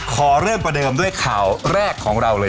ขอเริ่มประเดิมด้วยข่าวแรกของเราเลย